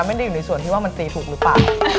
ไม่ได้อยู่ในส่วนที่ว่ามันตีถูกหรือเปล่า